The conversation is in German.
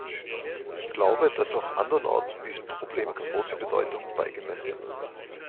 Ich glaube, dass auch anderenorts diesem Problem große Bedeutung beigemessen wird.